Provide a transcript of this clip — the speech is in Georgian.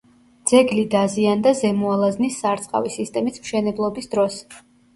ძეგლი დაზიანდა ზემო ალაზნის სარწყავი სისტემის მშენებლობის დროს.